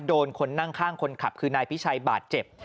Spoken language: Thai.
โดนคนนั่งข้างคนขับคือนายพิชัยบาดเจ็บ